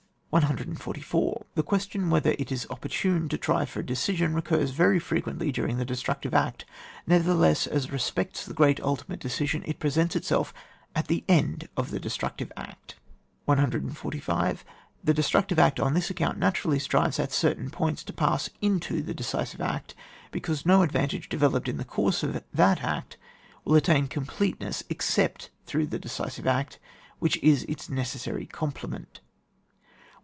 144. The question whether it is op portune to try for a decision, recurs very frequently during the destructive act; nevertheless, as respects the great ulti mate decision, it presents itself at the end of the destructive act. 145. The destructive act on this ac count naturally strives at certain points to pass into the decisive act, because no advantage developed in the course of that act will attain completeness except through the decisive act, which is its necessary complement. 146.